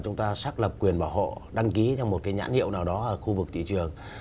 chúng ta xác lập quyền bảo hộ đăng ký theo một cái nhãn hiệu nào đó ở khu vực thị trường